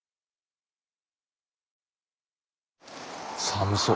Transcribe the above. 寒そう。